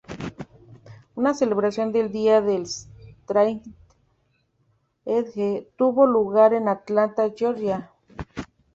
Una celebración del Día del Straight Edge tuvo lugar en Atlanta, Georgia.